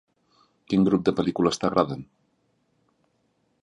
Quin grup de pel·lícules t'agraden?